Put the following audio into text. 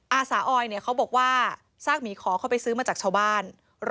อาสาออยเขาบอกว่าซากหมีขอเขาไปซื้อมาจากชาวบ้าน